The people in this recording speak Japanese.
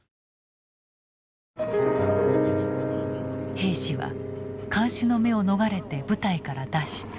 兵士は監視の目を逃れて部隊から脱出。